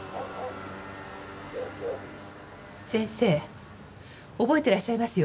先生覚えてらっしゃいますよね？